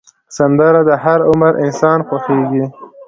سندره د هر عمر انسان خوښېږي